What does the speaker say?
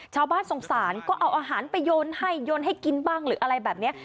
ชาวบ้านสงสารก็เอาอาหารไปโยนให้โยนให้กินบ้างหรืออะไรแบบนี้